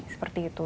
sampai hari ini